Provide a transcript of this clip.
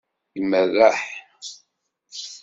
Imerreḥ.